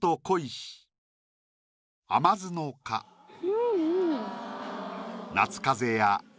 うんうん。